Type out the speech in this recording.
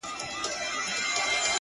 عجب راگوري د خوني سترگو څه خون راباسـي ـ